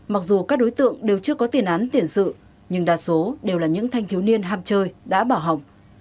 mặc dù các đối tượng đều chưa có tiền án tiền sự nhưng đa số đều là những thanh thiếu niên ham chơi đã bảo hồng